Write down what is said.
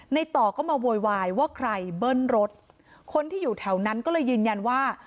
ต่อก็มาโวยวายว่าใครเบิ้ลรถคนที่อยู่แถวนั้นก็เลยยืนยันว่า